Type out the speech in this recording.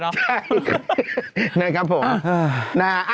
แล้วก็สู้กับหมอปาเนาะ